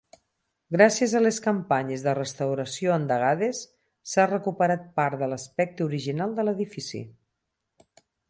Gràcies a les campanyes de restauració endegades s'ha recuperat part de l'aspecte original de l'edifici.